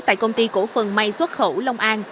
tại công ty cổ phần may xuất khẩu long an